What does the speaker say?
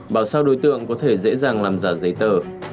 bảo sao đối tượng có thể dễ dàng làm giả giấy tờ